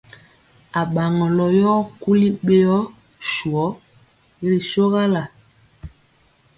Aɓaŋɔlɔ yɔ kuli ɓeyɔ swɔ i ri sogala.